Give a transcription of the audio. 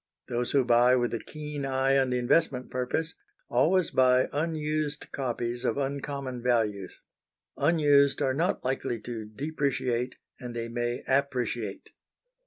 Those who buy with a keen eye on the investment purpose, always buy unused copies of uncommon values. Unused are not likely to depreciate, and they may appreciate.